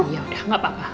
yaudah nggak apa apa